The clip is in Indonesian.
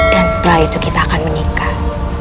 dan setelah itu kita akan menikah